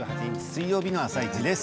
水曜日の「あさイチ」です。